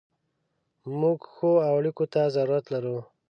موږ ښو اړیکو ته ضرورت لرو.